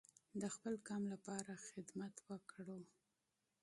د خپل قام لپاره خدمت وکړو.